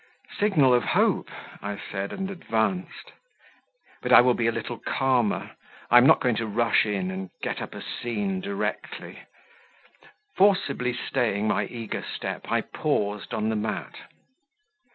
"Signal of hope!" I said, and advanced. "But I will be a little calmer; I am not going to rush in, and get up a scene directly." Forcibly staying my eager step, I paused on the mat.